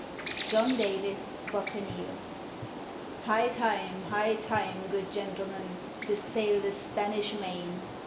JOHN DAVIS, BOUCANIER High time, high time, good gentlemen, to sail the Spanish Main!